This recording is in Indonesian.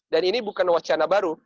dan ini bukan wacana baru